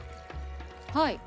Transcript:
はい。